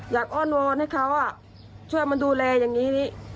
อ้อนวอนให้เขาช่วยมาดูแลอย่างนี้